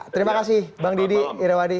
terima kasih bang didi irawadi